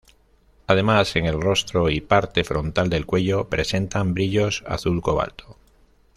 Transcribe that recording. Además en el rostro y parte frontal de cuello presentan brillos azul cobalto.